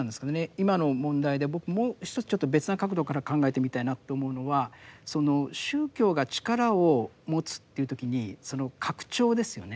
今の問題で僕もう一つちょっと別な角度から考えてみたいなと思うのはその宗教が力を持つっていう時にその拡張ですよね